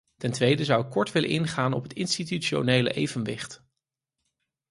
Ten tweede zou ik kort willen ingaan op het institutionele evenwicht.